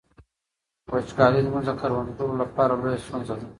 وچکالي زموږ د کروندګرو لپاره لویه ستونزه ده.